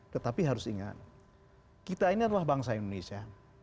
tetapi harus ingat kita ini adalah bangsa indonesia